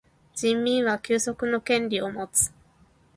人民は休息の権利をもつ。